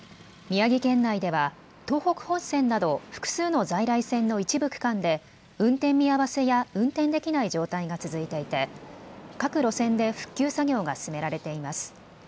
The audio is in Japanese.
宮城県内では東北本線など複数の在来線の一部区間で運転見合わせや運転できない状態が続いていて各路線で復旧作業が進められています。